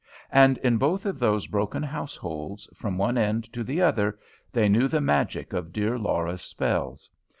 And in both of those broken households, from one end to the other, they knew the magic of dear Laura's spells.